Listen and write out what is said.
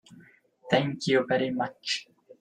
Thank you very much.